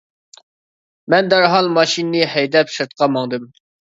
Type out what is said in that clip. مەن دەرھال ماشىنىنى ھەيدەپ سىرتقا ماڭدىم.